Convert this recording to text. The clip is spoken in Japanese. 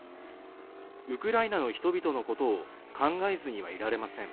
ウクライナの人々のことを考えずにはいられません